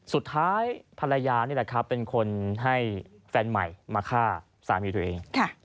สุดท้ายภรรยานี่แหละครับเป็นคนให้แฟนใหม่มาฆ่าสามีตัวเอง